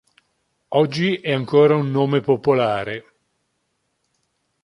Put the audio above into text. Oggi è ancora un nome popolare.